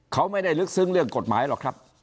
เขาไม่ได้ลึกซึ้งเรื่องกฎหมายหรอกครับ